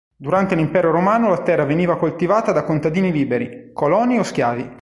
Durante l'impero romano la terra veniva coltivata da contadini liberi, coloni o schiavi.